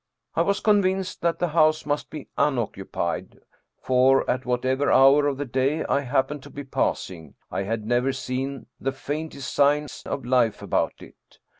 I was convinced that the house must be unoccupied, for at whatever hour of the day I happened to be passing I had never seen the faintest signs of life about it.